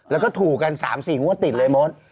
แล้วก็ถูกกัน๓๔งวดติดเลยมด